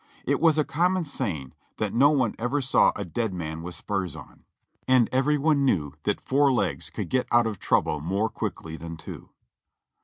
It was a common saying that no one ever saw a dead man with spurs on; and every one 378 JOHNNY REB AND BILIvY YANK knew that four legs could get out of trouble more quickly than two.